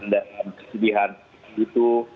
tentu kesedihan itu